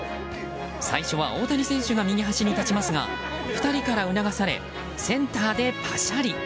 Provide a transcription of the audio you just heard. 最初は大谷選手が右端に立ちますが２人から促されセンターでぱしゃり。